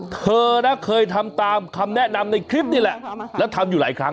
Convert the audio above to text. เธอนะเคยทำตามคำแนะนำในคลิปนี่แหละแล้วทำอยู่หลายครั้ง